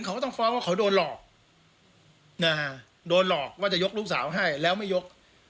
เขาก็ต้องฟ้องว่าเขาโดนหลอกนะฮะโดนหลอกว่าจะยกลูกสาวให้แล้วไม่ยก